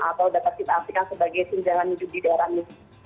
atau data kita aktifkan sebagai senjata hidup di daerah misi